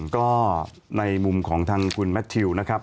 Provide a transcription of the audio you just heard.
ก็ในมุมของทางคุณแมททิวนะครับ